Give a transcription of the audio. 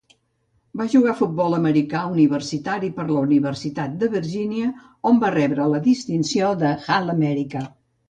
Va jugar al futbol americà universitari per a la Universitat de Virgínia, on va rebre la distinció d'All-America.